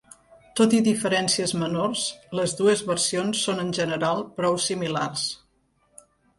Tot i diferències menors, les dues versions són en general prou similars.